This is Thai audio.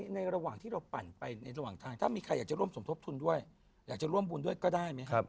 ในระหว่างที่ปั่นไปถ้ามีใครจะร่วมสมทบทุนด้วยหรือร่วมบุญก็ได้ไหมครับ